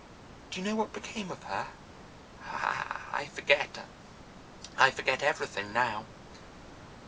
Do you know what became of her? I forget. I forget everything now."